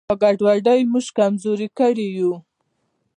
دا ګډوډي موږ کمزوري کړي یو.